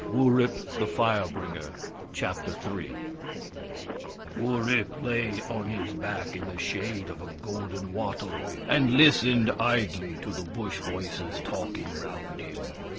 WURIP, THE FIRE BRINGER 247 Chapter III WuRiP lay on his back in the shade of a golden wattle and listened idly to the Bush voices talking round him.